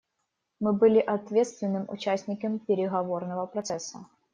Мы были ответственным участником переговорного процесса.